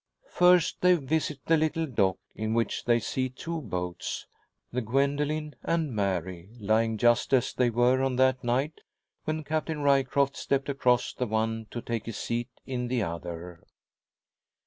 First they visit the little dock, in which they see two boats the Gwendoline and Mary lying just as they were on that night when Captain Ryecroft stepped across the one to take his seat in the other.